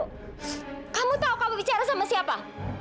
kamu tahu kamu bicara sama siapa